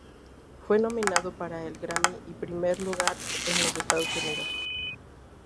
Fue nominado para el Grammy y primer lugar en los Estados Unidos.